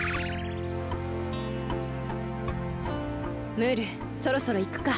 ムールそろそろいくか。